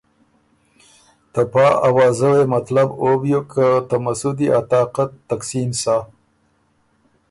ته پا اوازۀ وې مطلب او بیوک که ته مسُودی ا طاقت تقسیم سۀ